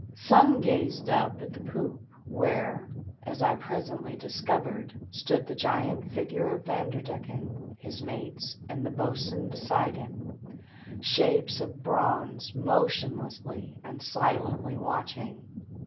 Some gazed up at the poop, where, as I presently discovered, stood the giant figure of Vanderdecken, his mates and the boatswain beside him, shapes of bronze motionlessly and silently watching.